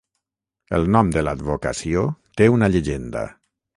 El nom de l'advocació té una llegenda.